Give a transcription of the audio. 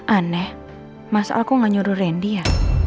aneh mas aku nggak nyuruh randy ya